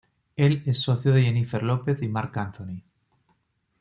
Él es socio de Jennifer Lopez y Marc Anthony.